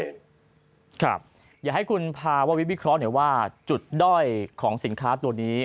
อยากให้คุณภาววิเคราะห์หน่อยว่าจุดด้อยของสินค้าตัวนี้